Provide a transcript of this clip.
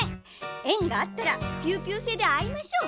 えんがあったらピューピューせいであいましょう。